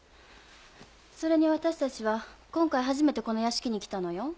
それに私たちは今回初めてこの屋敷に来たのよ。